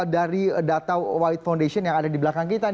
dari data white foundation yang ada di belakang kita